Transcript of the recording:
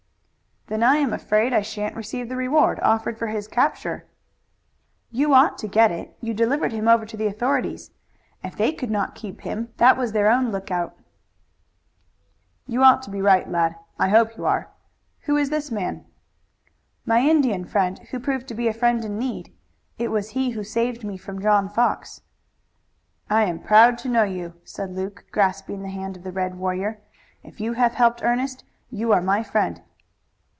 "Then I am afraid I shan't receive the reward offered for his capture." "You ought to get it. You delivered him over to the authorities. If they could not keep him that was their own lookout." "You ought to be right, lad. I hope you are. Who is this man?" "My Indian friend, who proved to be a friend in need. It was he who saved me from John Fox." "I am proud to know you," said Luke, grasping the hand of the red warrior. "If you have helped Ernest you are my friend."